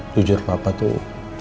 tujur papah tuh